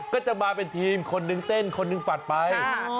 ก็จะมาเป็นทีมคนนึงเต้นคนหนึ่งฝัดไป